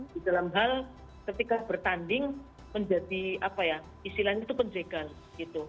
di dalam hal ketika bertanding menjadi apa ya istilahnya itu penjegal gitu